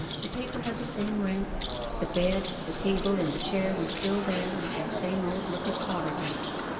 The paper had the same rents; the bed, the table and the chair were still there, with their same old look of poverty.